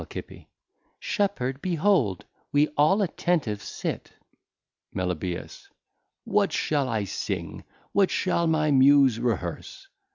_ Shepherd, behold, we all attentive sit. Meli. What shall I sing? what shall my Muse reherse?